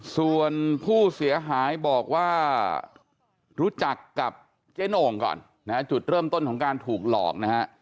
ส่วนผู้เสียหายบอกว่ารู้จักกับเจ๊โน่งก่อนนะฮะจุดเริ่มต้นของการถูกหลอกนะฮะ